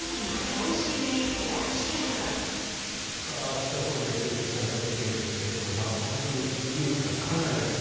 岸田総理が襲撃された事件ですけれど爆発物、威力がかなりあった。